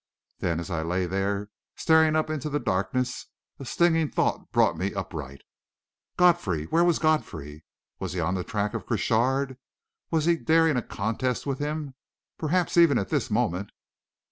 Then, as I lay there, staring up into the darkness, a stinging thought brought me upright. Godfrey where was Godfrey? Was he on the track of Crochard? Was he daring a contest with him? Perhaps, even at this moment....